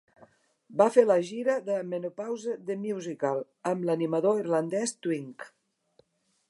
Va fer la gira de "Menopause the Musical" amb l'animador irlandès Twink.